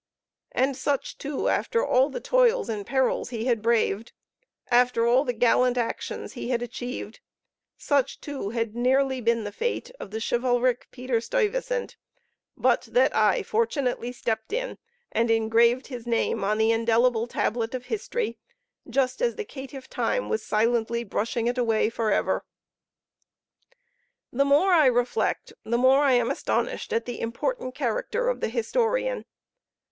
And such, too, after all the toils and perils he had braved, after all the gallant actions he had achieved, such too had nearly been the fate of the chivalric Peter Stuyvesant, but that I fortunately stepped in and engraved his name on the indellible tablet of history, just as the caitiff Time was silently brushing it away for ever! The more I reflect, the more I am astonished at the important character of the historian.